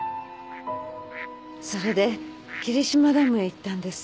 それで霧島ダムへ行ったんです。